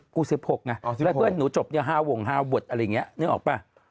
กู๑๖ไงแล้วเพื่อนหนูจบ๕วง๕บทอะไรอย่างนี้นึกออกป่ะ